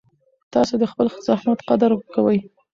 تاسو د خپل زحمت قدر کوئ.